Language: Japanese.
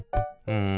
うん。